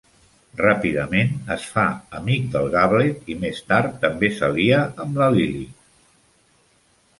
Ràpidament es fa amic del Gavlet i més tard també s'alia amb la Lily.